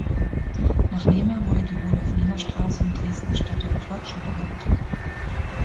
Nach Nehmer wurde die Rudolf-Nehmer-Straße im Dresdner Stadtteil Klotzsche benannt.